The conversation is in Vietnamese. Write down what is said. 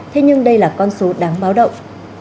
thế nhưng đây là con số đáng báo động